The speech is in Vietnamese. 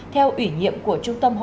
theo ủy nhiệm của trung tâm hỗ trợ